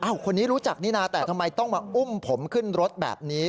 คนนี้รู้จักนี่นะแต่ทำไมต้องมาอุ้มผมขึ้นรถแบบนี้